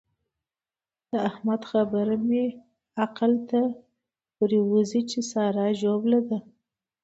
د احمد خبره مې عقل ته پرېوزي چې سارا ژوبله ده.